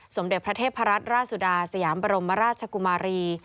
สมเด็จพระเทพรัตนราชสุดาสยามบรมราชกุมารี